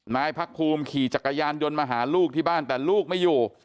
พักภูมิขี่จักรยานยนต์มาหาลูกที่บ้านแต่ลูกไม่อยู่